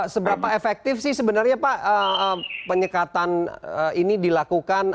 seberapa efektif sih sebenarnya pak penyekatan ini dilakukan